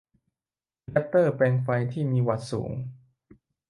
อะแดปเตอร์แปลงไฟที่มีวัตต์สูง